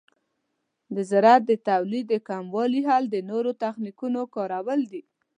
د زراعت د تولید د کموالي حل د نوو تخنیکونو کارول دي.